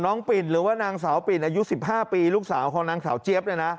น้องปิ่นหรือนางสาวปิ่นอายุ๑๕ปีลูกสาวของนางสาวเจี๊ยบ